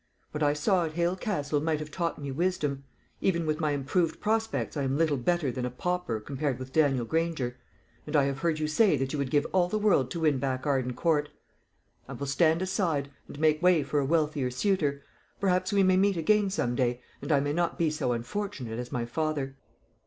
What I saw at Hale Castle might have taught me wisdom. Even with my improved prospects I am little better than a pauper compared with Daniel Granger. And I have heard you say that you would give all the world to win back Arden Court. I will stand aside, and make way for a wealthier suitor. Perhaps we may meet again some day, and I may not be so unfortunate as my father."